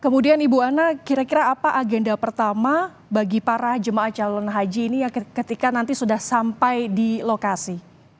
kemudian ibu anna kira kira apa agenda pertama bagi para jemaah calon haji ini ketika nanti sudah sampai di lokasi